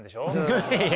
いやいや。